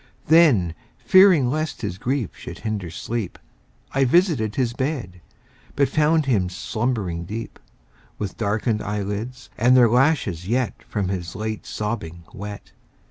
Then, fearing lest his grief should hinder sleep, I visited his bed, But found him slumbering deep, With darken'd eyelids, and their lashes yet 10 From his late sobbing wet.